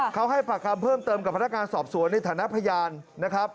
เขาให้ปากคำเพิ่มเติมกับพนักงานสอบสวนในฐานะพยานนะครับ